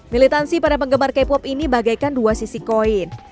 militansi para penggemar k pop ini bagaikan dua sisi koin